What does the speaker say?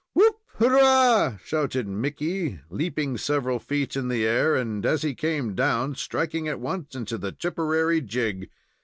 "Whoop! hurrah!" shouted Mickey, leaping several feet in the air, and, as he came down, striking at once into the Tipperary jig.